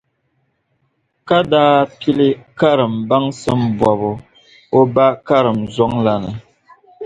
Ka daa pili karim baŋsim bɔbu o ba karimzɔŋ la ni.